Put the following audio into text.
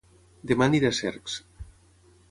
Dema aniré a Cercs